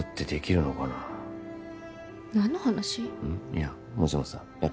いやもしもさいや